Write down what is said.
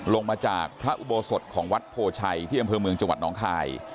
ลงมาจากพระอุโบสถของวัดโพชัยที่อำเภอเมืองจังหวัดน้องคาย